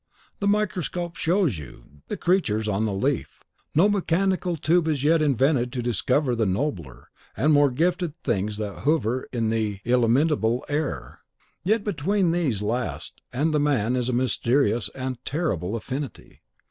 The microscope shows you the creatures on the leaf; no mechanical tube is yet invented to discover the nobler and more gifted things that hover in the illimitable air. Yet between these last and man is a mysterious and terrible affinity.